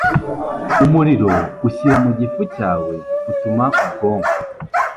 Umuriro ushyira mu gifu cyawe utuma ubwonko